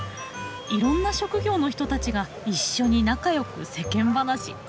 いろんな職業の人たちが一緒に仲よく世間話。